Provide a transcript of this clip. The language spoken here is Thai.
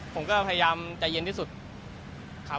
ผมก็พยายามใจเย็นที่สุดครับ